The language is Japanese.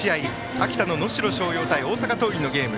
秋田の能代松陽対大阪桐蔭のゲーム。